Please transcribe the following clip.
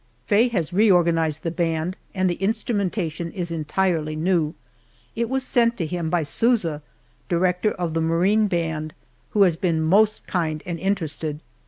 Faye has reorganized the band, and the instrumentation is entirely new. It was sent to him by Sousa, director of the Marine Band, who has been most kind and interested.